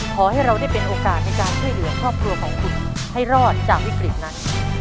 ขอให้เราได้เป็นโอกาสในการช่วยเหลือครอบครัวของคุณให้รอดจากวิกฤตนั้น